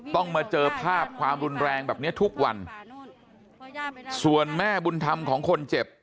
ต้องมาเจอภาพความรุนแรงแบบเนี้ยทุกวันส่วนแม่บุญธรรมของคนเจ็บ